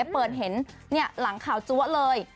เปิดเห็นหลังข่าวจั๊วเลย